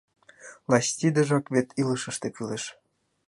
Лач тидыжак вет илышыште кӱлеш.